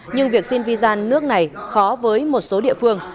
nhưng việc xin visa nước này khó với một số địa phương